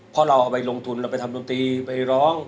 เพราะเราเอาไปลงทุนเราไปทำดนตรีไปร้อง